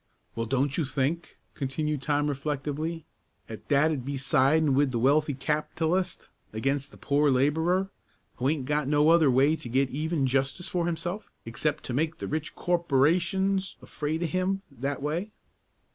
"Well, don't you think," continued Tom, reflectively, "'at that'd be sidin' with the wealthy clapitulist, against the poor laborer, who ain't got no other way to get even justice for himself, except to make the rich corpurations afraid of him, that way?"